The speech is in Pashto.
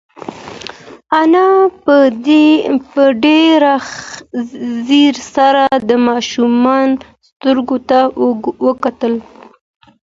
انا په ډېر ځير سره د ماشوم سترګو ته وکتل.